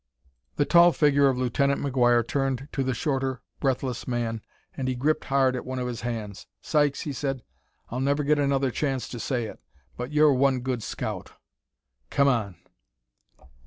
The tall figure of Lieutenant McGuire turned to the shorter, breathless man, and he gripped hard at one of his hands. "Sykes," he said, "I'll never get another chance to say it but you're one good scout!... Come on!"